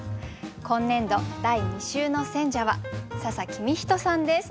今年度第２週の選者は笹公人さんです。